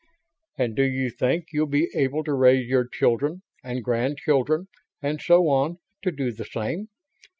"And do you think you'll be able to raise your children and grandchildren and so on to do the same?